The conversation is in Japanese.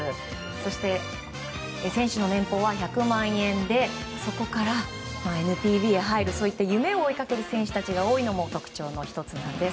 そして選手の年俸は１００万円でそこからＮＰＢへ入るそういった夢を追いかける選手が多いのも特徴の１つです。